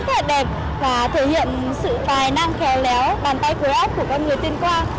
rất là đẹp và thể hiện sự tài năng khéo léo bàn tay khối áp của con người tuyên quang